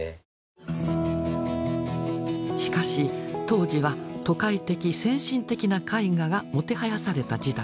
しかし当時は都会的先進的な絵画がもてはやされた時代。